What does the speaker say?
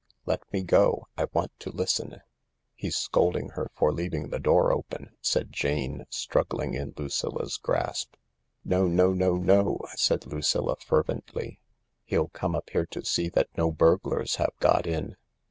" Let me go — I want to listen ; he's scolding her for leaving the door open," said Jane, struggling in Lucilla 's grasp. " No, no, no, no !" said Lucilla fervently. " He'll come up here to see that no burglars have got in."